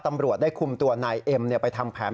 ตำรวจได้คุมตัวนายเอ็มไปทำแผน